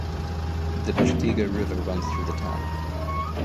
The Peshtigo River runs through the town.